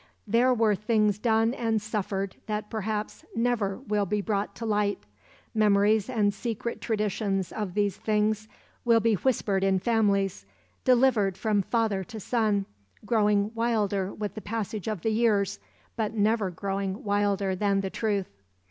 There were things done and suffered that perhaps never will be brought to light, memories and secret traditions of these things will be whispered in families, delivered from father to son, growing wilder with the passage of the years, but never growing wilder than the truth.